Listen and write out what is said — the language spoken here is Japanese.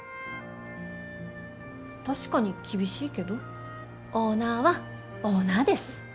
確かに厳しいけどオーナーはオーナーです。